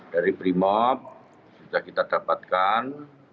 dari brimop sudah kita dapatkan